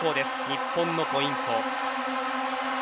日本のポイント。